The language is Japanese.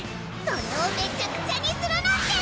それをめちゃくちゃにするなんて！